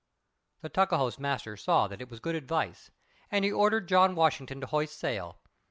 The Tuckahoe's master saw that it was good advice, and he ordered John Washington to hoist sail.